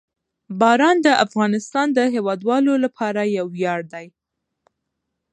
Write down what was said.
باران د افغانستان د هیوادوالو لپاره یو ویاړ دی.